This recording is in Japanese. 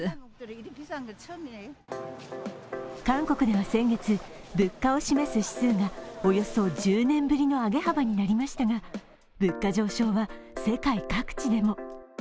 韓国では先月、物価を示す指数がおよそ１０年ぶりの上げ幅になりましたが物価上昇は世界各地でも。